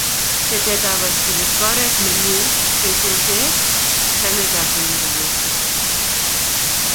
Keteetab baskilit ko oret nemie nebo keteechei chametabgei nebo borto